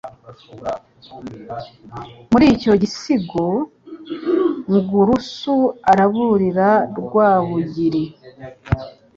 Muri icyo gisigo, Ngurusu araburira Rwabugil